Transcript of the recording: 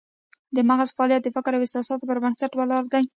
د مغز فعالیت د فکر او احساساتو پر بنسټ ولاړ دی